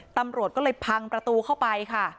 ตำรวจก็เลยพังประตูเข้าไปค่ะ